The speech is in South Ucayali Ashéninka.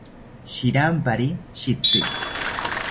Shirampari shitzi